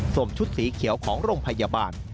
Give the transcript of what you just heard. ชุดสีเขียวของโรงพยาบาล